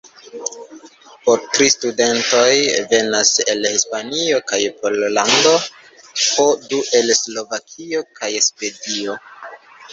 Po tri studentoj venas el Hispanio kaj Pollando, po du el Slovakio kaj Svedio.